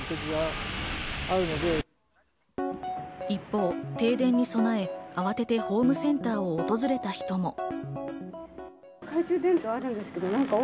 一方、停電に備え、慌ててホームセンターを訪れた人も。